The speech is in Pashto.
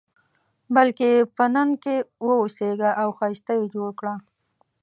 بلکې په نن کې واوسېږه او ښایسته یې جوړ کړه.